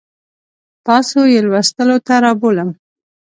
تاسو یې لوستو ته رابولم.